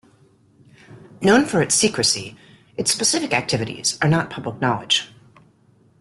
Known for its secrecy, its specific activities are not public knowledge.